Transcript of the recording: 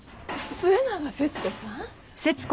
末永節子さん？